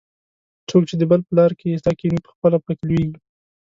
څوک چې د بل په لار کې څا کیني؛ پخپله په کې لوېږي.